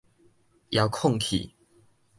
遙控器